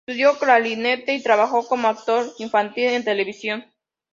Estudio clarinete y trabajo como actor infantil en televisión.